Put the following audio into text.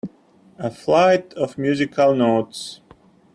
A flight of musical notes.